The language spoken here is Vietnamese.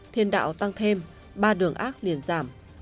thiên đạo tăng thêm ba đường ác liền giảm